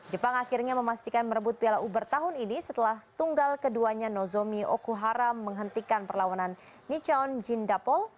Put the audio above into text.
jepang akhirnya memastikan merebut piala uber tahun ini setelah tunggal keduanya nozomi okuhara menghentikan perlawanan nichon jindapol